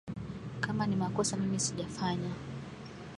Kama ni makosa mimi sijafanya